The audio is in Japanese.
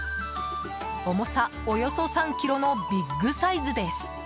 重さ、およそ３ｋｇのビッグサイズです。